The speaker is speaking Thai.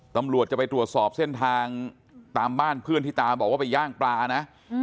ตำรวจจะไปตรวจสอบเส้นทางตามบ้านเพื่อนที่ตาบอกว่าไปย่างปลานะ